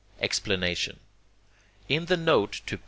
Explanation In the note to II.